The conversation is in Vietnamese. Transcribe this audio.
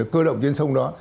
cơ động trên sông đó